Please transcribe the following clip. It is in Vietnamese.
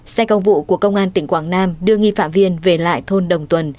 xe công vụ của công an tỉnh quảng nam đưa nghi phạm viên về lại thôn đồng tuần